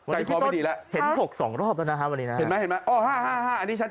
ใจคอไม่ดีแล้ววันนี้พี่ต้นเห็น๖๒รอบนะครับ